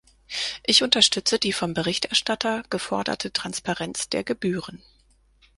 Ich unterstütze die vom Berichterstatter geforderte Transparenz der Gebühren.